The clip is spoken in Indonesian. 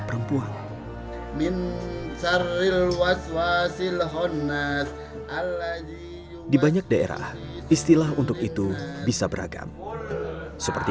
perempuan mincar rilwas wasil honas ala di banyak daerah istilah untuk itu bisa beragam seperti